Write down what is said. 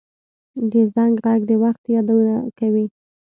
د زنګ غږ د وخت یادونه کوي